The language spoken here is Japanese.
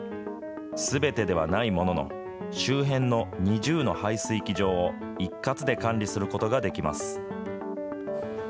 すべてではないものの、周辺の２０の排水機場を一括で管理することができます。